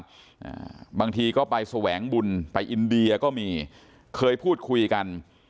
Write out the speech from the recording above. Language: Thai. อ่าบางทีก็ไปแสวงบุญไปอินเดียก็มีเคยพูดคุยกัน